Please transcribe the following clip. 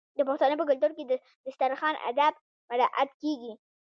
د پښتنو په کلتور کې د دسترخان اداب مراعات کیږي.